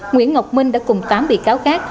nguyễn ngọc minh đã cùng tám bị cáo khác